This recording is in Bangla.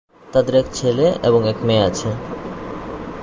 তাদের এক ছেলে এবং এক মেয়ে আছে।